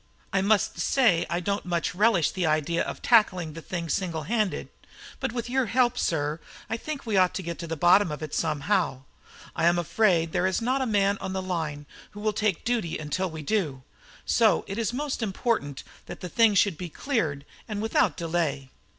I must say I don't much relish the idea of tackling the thing single handed; but with your help, sir, I think we ought to get to the bottom of it somehow. I am afraid there is not a man on the line who will take duty until we do. So it is most important that the thing should be cleared, and without delay."